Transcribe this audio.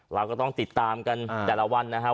เราก็ต้องติดตามกันแต่ละวันนะครับ